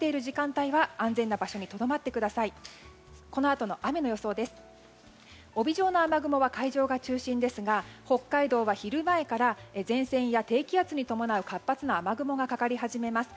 帯状の雨雲は海上が中心ですが北海道は昼前から前線や低気圧に伴う活発な雨雲がかかり始めます。